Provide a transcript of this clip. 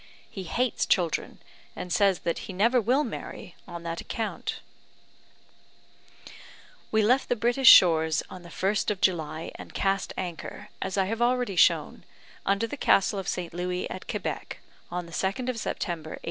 He hates children, and says that he never will marry on that account." We left the British shores on the 1st of July, and cast anchor, as I have already shown, under the Castle of St. Louis, at Quebec, on the 2nd of September, 1832.